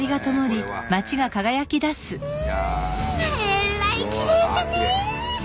えらいきれいじゃね！